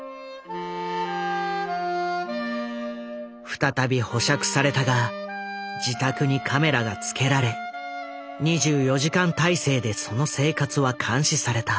再び保釈されたが自宅にカメラが付けられ２４時間体制でその生活は監視された。